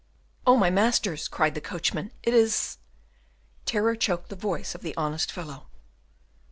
"Oh, my masters!" cried the coachman, "it is " Terror choked the voice of the honest fellow.